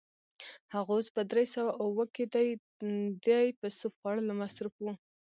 هغه اوس په درې سوه اووه کې دی، دی په سوپ خوړلو مصروف و.